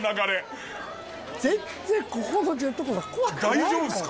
大丈夫ですか？